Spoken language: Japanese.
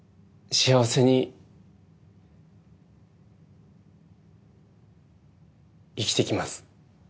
幸せに生きてきます。